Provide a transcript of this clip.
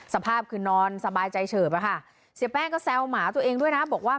สภาพคือนอนสบายใจเฉิบอะค่ะเสียแป้งก็แซวหมาตัวเองด้วยนะบอกว่า